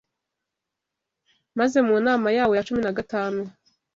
maze mu nama ya wo ya cumi nagatanu